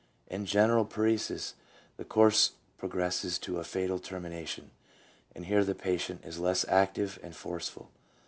1 In general paresis the course progresses to a fatal termination; and here the patient is less active and forceful.